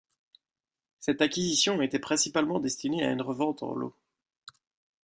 Cette acquisition était principalement destinée à une revente en lots.